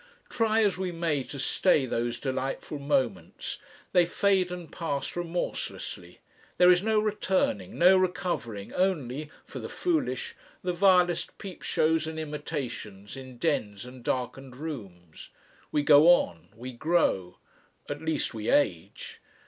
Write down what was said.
Try as we may to stay those delightful moments, they fade and pass remorselessly; there is no returning, no recovering, only for the foolish the vilest peep shows and imitations in dens and darkened rooms. We go on we grow. At least we age.